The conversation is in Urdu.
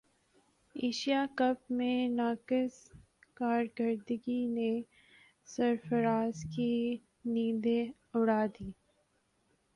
ایشیا کپ میں ناقص کارکردگی نے سرفراز کی نیندیں اڑا دیں